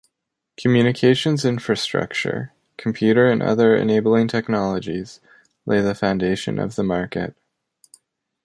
Communications infrastructure, computer and other enabling technologies lay the foundation of the market.